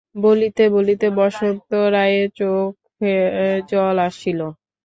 বলিতে বলিতে বসন্ত রায়ের চোখে জল আসিল।